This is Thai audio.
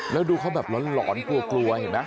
แล้วดูเขาแบบหลอนกลัวกลัวเห็นไหม